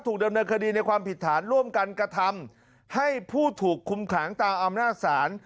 ดำเนินคดีในความผิดฐานร่วมกันกระทำให้ผู้ถูกคุมขังตามอำนาจศาล